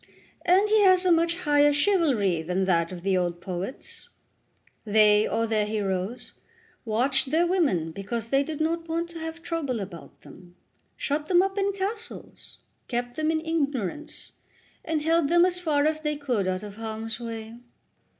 And he has a much higher chivalry than that of the old poets. They, or their heroes, watched their women because they did not want to have trouble about them, shut them up in castles, kept them in ignorance, and held them as far as they could out of harm's way."